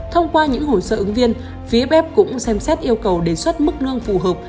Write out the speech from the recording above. thông qua những hồi sở ứng viên vff cũng xem xét yêu cầu đề xuất mức nương phù hợp